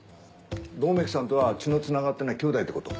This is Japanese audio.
百目鬼さんとは血のつながってないきょうだいってこと？